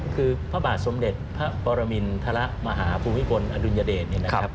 คือพระบาทสมเด็จพระปรมินทรมาฮภูมิพลอดุลยเดช